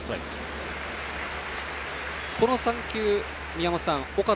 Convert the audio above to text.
この３球、宮本さん